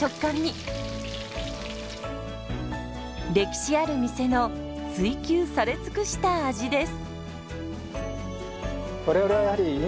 歴史ある店の追求され尽くした味です。